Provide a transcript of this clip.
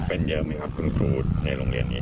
เป็นเยอะไหมครับคุณครูในโรงเรียนนี้